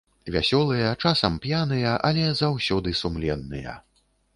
Вясёлыя, часам п'яныя, але заўсёды сумленныя.